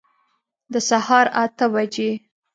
د سهار اته بجي